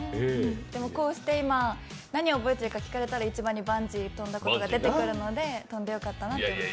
でもこうして今、何を覚えているか聞かれたら一番にバンジーが出てくるので飛んでよかったなと思っています。